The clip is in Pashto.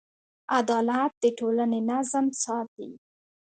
عدالت د ټولنې نظم ساتي.